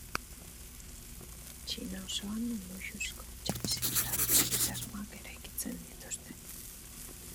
Txina osoan luxuzko etxebizitza egitasmoak eraikitzen dituzte.